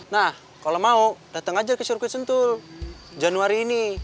nah kalau mau datang aja ke sirkuit sentul januari ini